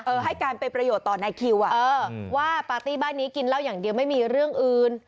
ให้การเป็นประโยชน์ต่อนายคิวอ่ะเออว่าปาร์ตี้บ้านนี้กินเหล้าอย่างเดียวไม่มีเรื่องอื่น